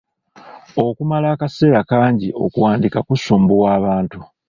Okumala akaseera kangi okuwandiika kusumbuwa abantu.